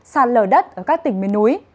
sạt lở đất ở các tỉnh bên núi